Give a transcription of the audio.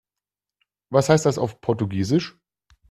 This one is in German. Was heißt das auf Portugiesisch?